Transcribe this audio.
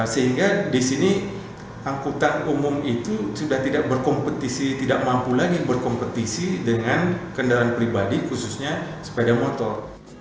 sehingga di sini angkutan umum itu sudah tidak berkompetisi tidak mampu lagi berkompetisi dengan kendaraan pribadi khususnya sepeda motor